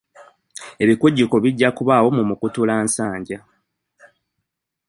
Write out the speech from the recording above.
Ebikujjuko bijja kubaawo mu Mukutulansanja.